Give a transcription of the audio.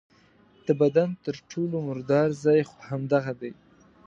د بدن تر ټولو مردار ځای خو همدغه دی.